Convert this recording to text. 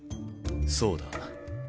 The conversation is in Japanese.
そうだ。